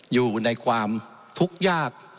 อยู่ในความทุกข์ยาก